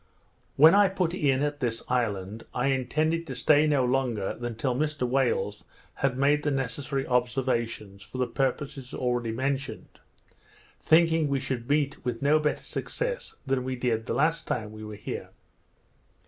When I put in at this island, I intended to stay no longer than till Mr Wales had made the necessary observations for the purposes already mentioned, thinking we should meet with no better success than we did the last time we were here.